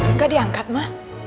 nggak diangkat ma